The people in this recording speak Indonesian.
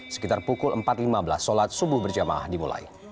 sekitar pukul empat lima belas sholat subuh berjamaah dimulai